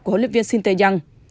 của hỗ luyện viên sinteyong